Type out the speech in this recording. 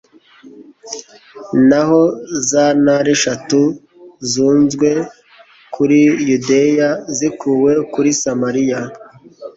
naho za ntara eshatu zunzwe kuri yudeya zikuwe kuri samariya